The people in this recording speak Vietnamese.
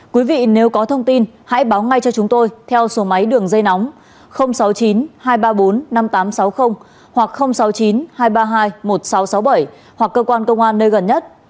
quý vị nếu có thông tin hãy báo ngay cho chúng tôi theo số máy đường dây nóng sáu mươi chín hai trăm ba mươi bốn năm nghìn tám trăm sáu mươi hoặc sáu mươi chín hai trăm ba mươi hai một nghìn sáu trăm sáu mươi bảy hoặc cơ quan công an nơi gần nhất